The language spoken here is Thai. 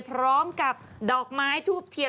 พร้อมกับดอกไม้ทูบเทียน